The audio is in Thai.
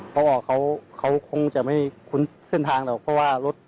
ตอนที่เรามองเห็นระยะประมาณกี่มิตรได้ครับ